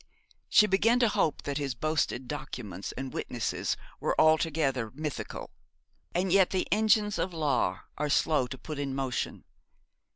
She began to hope that his boasted documents and witnesses were altogether mythical. And yet the engines of the law are slow to put in motion.